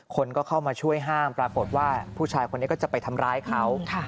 คนก็เข้ามาช่วยห้ามปรากฏว่าผู้ชายคนนี้ก็จะไปทำร้ายเขา